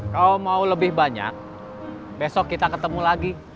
kalau mau lebih banyak besok kita ketemu lagi